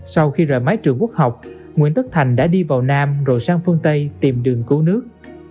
sau khi rời mái trường quốc học nguyễn tất thành đã đi vào nam rồi sang phương tây tìm đường cứu nước